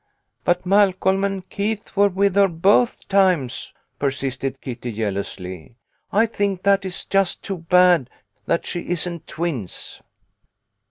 "But Malcolm and Keith were with her both times," persisted Kitty, jealously. " I think that it is just too bad that she isn't twins."